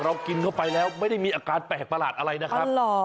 กินเข้าไปแล้วไม่ได้มีอาการแปลกประหลาดอะไรนะครับ